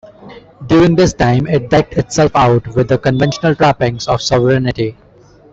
During this time it decked itself out with the conventional trappings of sovereignty.